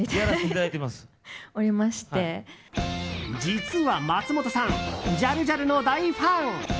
実は松本さんジャルジャルの大ファン。